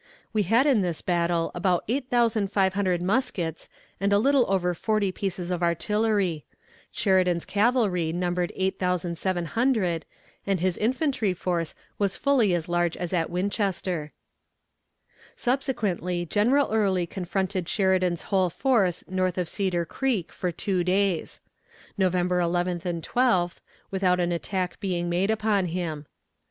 We had in this battle about 8,500 muskets and a little over forty pieces of artillery. Sheridan's cavalry numbered 8,700, and his infantry force was fully as large as at Winchester. Subsequently General Early confronted Sheridan's whole force north of Cedar Creek for two days, November 11th and 12th, without an attack being made upon him.